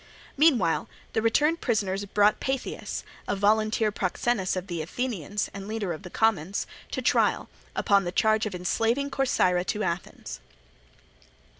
Meanwhile, the returned prisoners brought Peithias, a volunteer proxenus of the Athenians and leader of the commons, to trial, upon the charge of enslaving Corcyra to Athens.